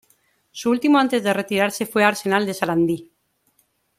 Su último antes de retirarse fue Arsenal de Sarandí.